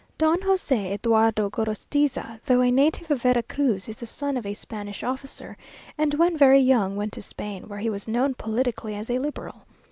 Don José Eduardo Gorostiza, though a native of Vera Cruz, is the son of a Spanish officer, and when very young went to Spain, where he was known politically as a liberal.